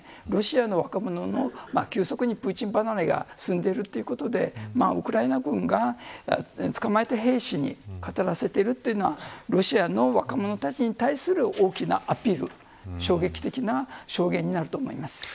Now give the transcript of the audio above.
ロシアの若者も急速にプーチン離れが進んでいるということでウクライナ軍が捕まえた兵士に語らせているというのはロシアの若者たちに対する大きなアピール、衝撃的な証言になると思います。